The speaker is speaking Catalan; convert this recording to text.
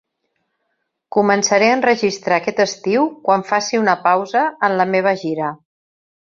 Començaré a enregistrar aquest estiu quan faci una pausa en la meva gira.